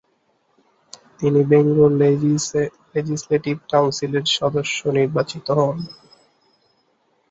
তিনি Bengal legislative কাউন্সিলের সদস্য নির্বাচিত হন।